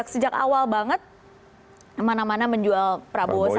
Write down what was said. sejak awal banget mana mana menjual prabowo sandi